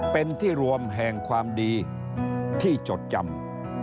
เป็นที่รวมแห่งความดีที่จดจำ